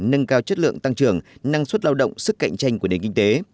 nâng cao chất lượng tăng trưởng năng suất lao động sức cạnh tranh của nền kinh tế